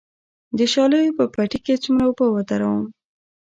د شالیو په پټي کې څومره اوبه ودروم؟